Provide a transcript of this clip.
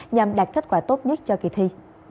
nhằm đạt kết quả tốt nhất cho kỳ thi